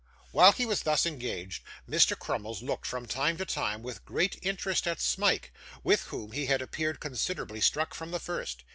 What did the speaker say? While he was thus engaged, Mr. Crummles looked, from time to time, with great interest at Smike, with whom he had appeared considerably struck from the first.